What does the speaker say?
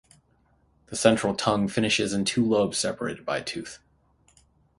The central tongue finishes in two lobes separated by a tooth.